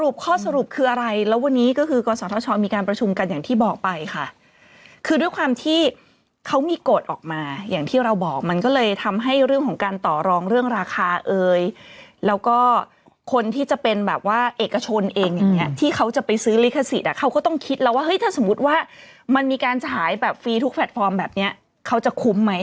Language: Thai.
ประมาณ๑๖๐๐ล้านบาทถ้าตีเป็นเงินไทยนะคะคุณหนุ่มเขาเตะกันเมื่อไหร่